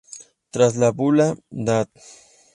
Tras la bula "dat.